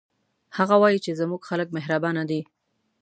هغه وایي چې زموږ خلک مهربانه دي